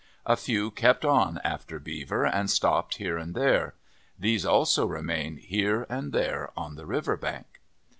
A few kept on after Beaver and stopped here and there. These also remain here and there on the river bank.